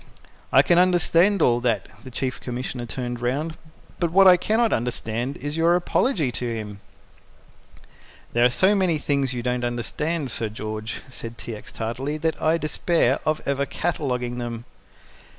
"I can understand all that" the Chief Commissioner turned round "but what I cannot understand is your apology to him." "There are so many things you don't understand, Sir George," said T. X. tartly, "that I despair of ever cataloguing them."